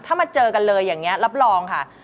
ถ้ามาเจอกันเลยอย่างนี้รับรองค่ะ